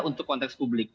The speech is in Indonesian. untuk konteks publik